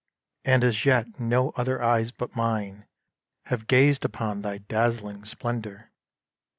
And as yet no other eyes But mine have gazed upon thy dazzling splendour.